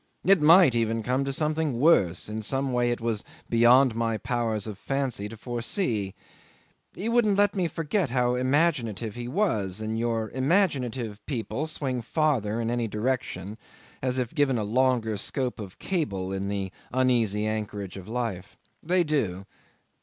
It might even come to something worse, in some way it was beyond my powers of fancy to foresee. He wouldn't let me forget how imaginative he was, and your imaginative people swing farther in any direction, as if given a longer scope of cable in the uneasy anchorage of life. They do.